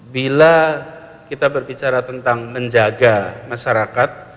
bila kita berbicara tentang menjaga masyarakat